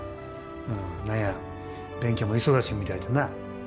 何や勉強も忙しみたいでな。